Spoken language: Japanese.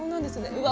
うわ